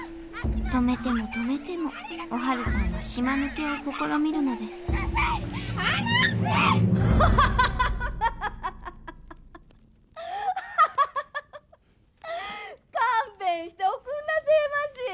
止めても止めてもおはるさんは島抜けを試みるのです勘弁しておくんなせえまし。